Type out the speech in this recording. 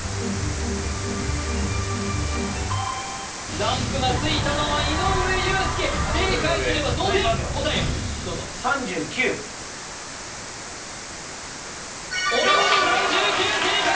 ランプがついたのは井上裕介正解すれば同点答えをどうぞお見事３９正解！